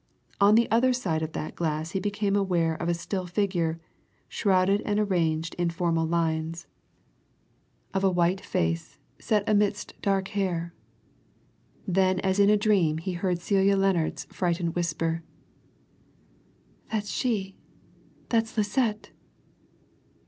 On the other side of that glass he became aware of a still figure, shrouded and arranged in formal lines, of a white face, set amidst dark hair ... then as in a dream he heard Celia Lennard's frightened whisper "That's she that's Lisette!